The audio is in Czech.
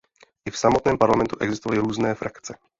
I v samotném parlamentu existovaly různé frakce.